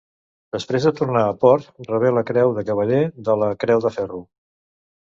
Després de tornar a port rebé la Creu de Cavaller de la Creu de Ferro.